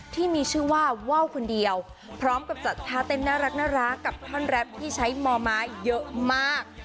พวกมีชื่อว่าคนเดียวพร้อมกับจัดข้าวเต็มน่ารักน่ารักกับท่อนแรปที่ใช้มาก